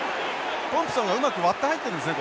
トンプソンがうまく割って入ってるんですね